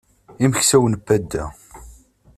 Imeksawen n wadda.